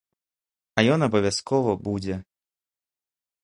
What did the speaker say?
А ён абавязкова будзе.